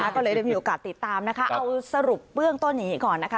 ก็เลยได้มีโอกาสติดตามนะคะเอาสรุปเบื้องต้นอย่างนี้ก่อนนะคะ